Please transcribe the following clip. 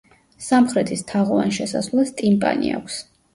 სამხრეთის თაღოვან შესასვლელს ტიმპანი აქვს.